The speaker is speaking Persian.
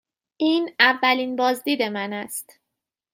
این اولین بازدید من است.